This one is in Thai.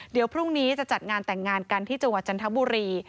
เดี๋ยวพรุ่งนี้จะจัดงานแต่งงานกันที่จังหวัดจันทบุรี